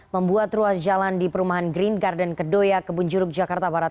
membuat ruas jalan di perumahan green garden kedoya kebun juruk jakarta barat